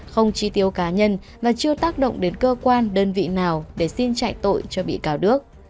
không chi tiêu cá nhân mà chưa tác động đến cơ quan đơn vị nào để xin chạy tội cho bị cáo đức